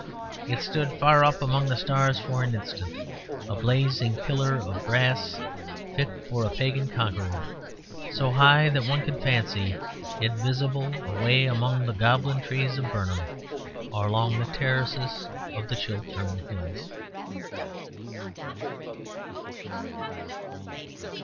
It stood far up among the stars for an instant, a blazing pillar of brass fit for a pagan conqueror, so high that one could fancy it visible away among the goblin trees of Burnham or along the terraces of the Chiltern Hills.